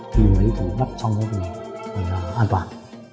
khi lấy thử bắt xong thì an toàn